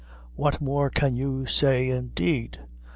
"What more can you say, indeed!